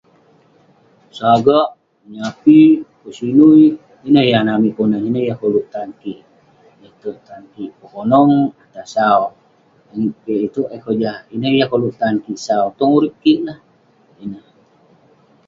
sagak, menyapik, pesinui, ineh yah anah amik ponan..ineh yah koluk tan kik, le'terk tan kik ,pekonau..atah sau, langit piak itouk eh kojah, ineh yah koluk tan kik sau..tong urip kik lah..ineh